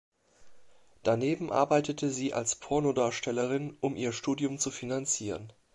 Daneben arbeitete sie als Pornodarstellerin, um ihr Studium zu finanzieren.